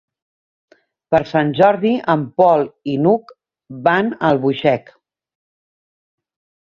Per Sant Jordi en Pol i n'Hug van a Albuixec.